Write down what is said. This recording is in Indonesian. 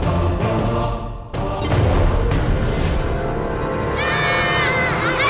kalau kalo kamu tetep kunjung fu di depan